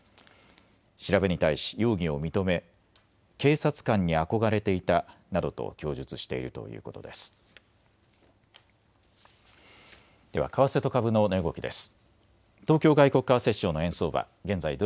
調べに対し容疑を認め警察官に憧れていたなどと供述しているということです。